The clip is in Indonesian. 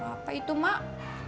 apa itu mak